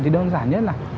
thì đơn giản nhất là